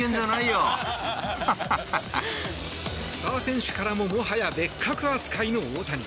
スター選手からももはや別格扱いの大谷。